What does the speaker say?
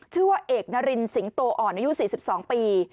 ชื่อว่าเอกนารินสิงโตอ่อนอายุ๔๒ปี